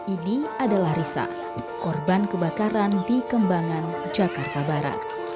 ini adalah risa korban kebakaran di kembangan jakarta barat